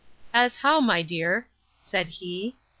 —As how, my dear? said he.